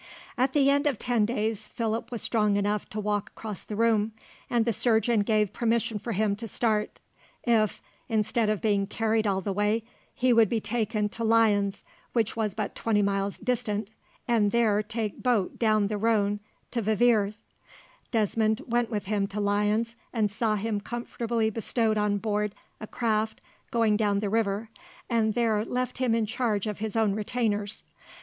At the end of the ten days, Philip was strong enough to walk across the room, and the surgeon gave permission for him to start, if, instead of being carried all the way, he would be taken to Lyons, which was but twenty miles distant, and there take boat down the Rhone to Viviers. Desmond went with him to Lyons, and saw him comfortably bestowed on board a craft going down the river, and there left him in charge of his own retainers.